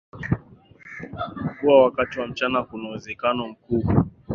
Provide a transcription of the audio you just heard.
kuwa wakati wa mchana kuna uwezekano mkubwa